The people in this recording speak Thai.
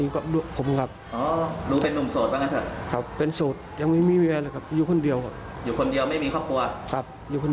ถึงน้องแอนดูทีวีอยู่ดูข่าวอยู่